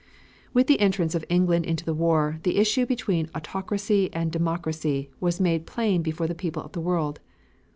With the entrance of England into the war, the issue between autocracy and democracy was made plain before the people of the world.